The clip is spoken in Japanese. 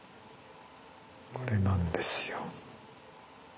これなんですよ。